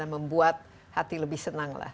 dan membuat hati lebih senanglah